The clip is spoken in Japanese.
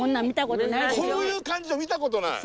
こういう感じは見たことない。